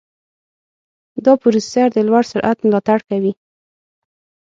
دا پروسېسر د لوړ سرعت ملاتړ کوي.